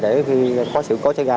để khi có sự cố xảy ra